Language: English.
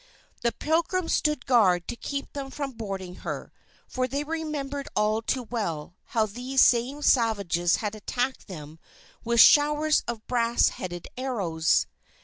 The Pilgrims stood guard to keep them from boarding her, for they remembered all too well, how these same savages had attacked them with showers of brass headed arrows.